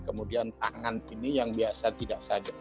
kemudian tangan ini yang biasa tidak sadar